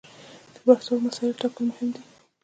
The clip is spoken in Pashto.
د بحث وړ مسایلو ټاکل مهم دي.